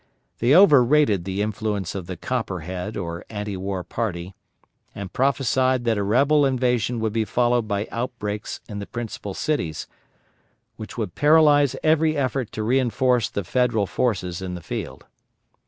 They overrated the influence of the Copperhead or anti war party, and prophesied that a rebel invasion would be followed by outbreaks in the principal cities, which would paralyze every effort to reinforce the Federal forces in the field.